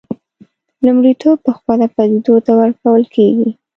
لومړیتوب پخپله پدیدو ته ورکول کېږي.